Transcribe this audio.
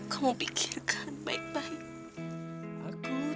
kamu pikirkan baik baik